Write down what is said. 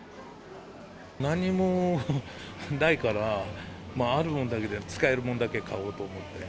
なんにもないから、あるものだけで、使えるものだけ買おうと思って。